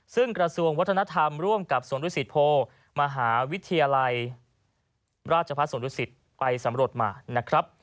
ซึ่งกระทรวงวัฒนธรรมร่วมกับสวรุษิตโพธิมหาวิทยาลัยราชภาษาสวรุษิตไปสำรวจมา